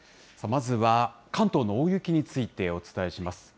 まずは、関東の大雪についてお伝えします。